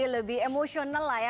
lebih emosional lah ya